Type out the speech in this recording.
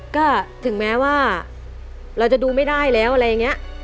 ก็ถึงแม้ว่าเราจะดูไม่ได้แล้วอะไรอย่างนี้